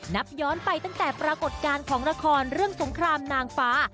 นับย้อนไปตั้งแต่ปรากฏการณ์ของละครเรื่องสงครามนางฟ้า